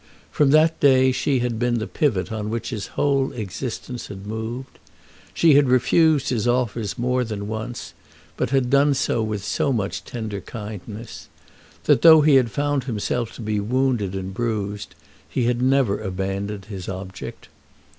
From that day she had been the pivot on which his whole existence had moved. She had refused his offers more than once, but had done so with so much tender kindness, that, though he had found himself to be wounded and bruised, he had never abandoned his object.